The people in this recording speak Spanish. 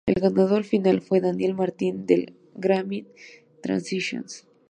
El ganador final fue Daniel Martin del Garmin-Transitions.